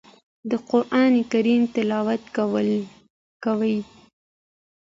د قران کریم تلاوت کوي.